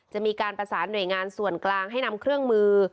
จะมีการประสานหน่วยงานส่วนกลางให้นำเครื่องมือ